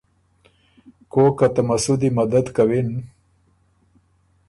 کوک که ته مسودی مدد کوِن